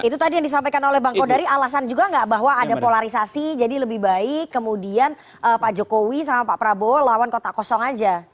itu tadi yang disampaikan oleh bang kodari alasan juga nggak bahwa ada polarisasi jadi lebih baik kemudian pak jokowi sama pak prabowo lawan kota kosong aja